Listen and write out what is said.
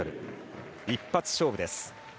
一発勝負です。